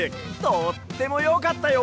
とってもよかったよ！